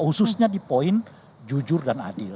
khususnya di poin jujur dan adil